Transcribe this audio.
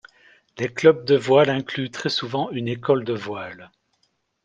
Les clubs de voile incluent très souvent une école de voile.